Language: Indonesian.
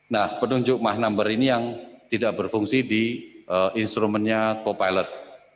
nah penunjuk mah number ini yang tidak berfungsi di instrumennya co pilot